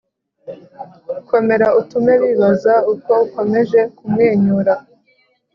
komera, utume bibaza uko ukomeje kumwenyura